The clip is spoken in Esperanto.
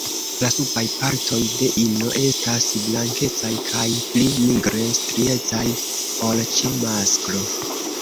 La subaj partoj de ino estas blankecaj kaj pli nigre striecaj ol ĉe masklo.